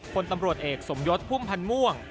คนตำรวจเอกสมยศพุ่มพันธ์ม่วง